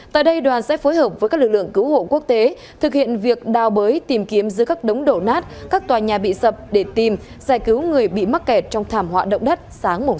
tại đây đoàn sẽ phối hợp với các lực lượng cứu hộ quốc tế thực hiện việc đào bới tìm kiếm dưới các đống đổ nát các tòa nhà bị sập để tìm giải cứu người bị mắc kẹt trong thảm họa động đất sáng